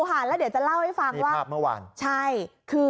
ค่ะแล้วเดี๋ยวจะเล่าให้ฟังว่าภาพเมื่อวานใช่คือ